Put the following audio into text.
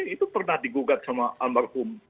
itu pernah digugat sama almarhum